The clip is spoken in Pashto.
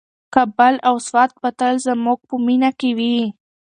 کابل او سوات به تل زموږ په مینه کې وي.